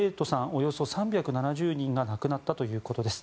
およそ３７０人が亡くなったということです。